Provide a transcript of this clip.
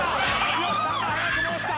剛さんが早くも落ちた！